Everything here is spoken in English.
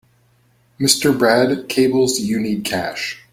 Mr. Brad cables you need cash.